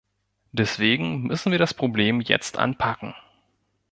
Deswegen müssen wir das Problem jetzt anpacken.